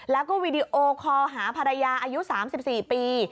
แล้วก็วีดีโอคอลหาภรรยาอายุ๓๔ปี